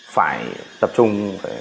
phải tập trung